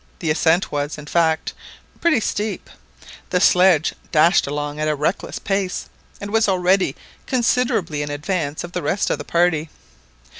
The ascent was, in fact, pretty steep; the sledge dashed along at a reckless pace, and was already considerably in advance of the rest of the party.